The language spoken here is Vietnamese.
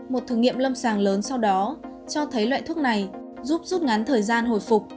một thử nghiệm lâm sàng lớn sau đó cho thấy loại thuốc này giúp rút ngắn thời gian hồi phục